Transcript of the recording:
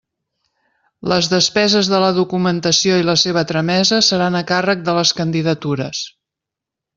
Les despeses de la documentació i la seua tramesa seran a càrrec de les candidatures.